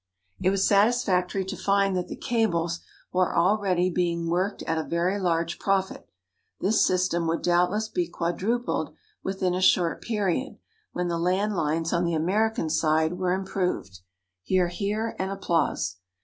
It was satisfactory to find that the cables were already being worked at a very large profit. This system would doubtless be quadrupled within a short period, when the land lines on the American side were improved (hear, hear, and applause).